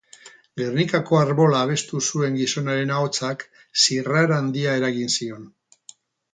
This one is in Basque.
Gernikako Arbola abestu zuen gizonaren ahotsak zirrara handia eragin zion.